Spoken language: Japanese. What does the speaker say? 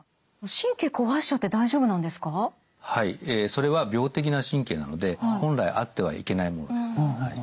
それは病的な神経なので本来あってはいけないものです。